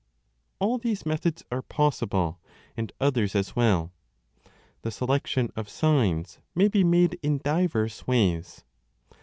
All these methods are possible, and others as well : the selection of signs may be made in diverse ways.